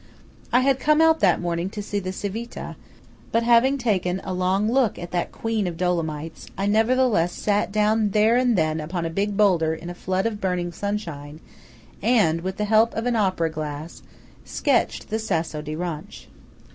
I had come out that morning to see the Civita; but, having taken a long look at that Queen of Dolomites, I nevertheless sat down there and then upon a big boulder in a flood of burning sunshine, and, with the help of an opera glass, sketched the Sasso di Ronch.